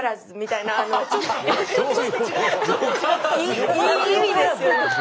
いい意味ですよね？